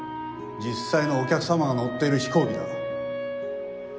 実際のお客様が乗ってる飛行機だ。